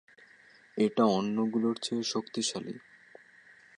এটা অন্যগুলার চেয়ে শক্তিশালী।